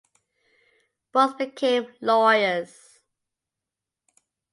Both became lawyers.